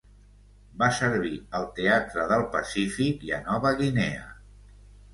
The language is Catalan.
Va servir al teatre del Pacífic i a Nova Guinea.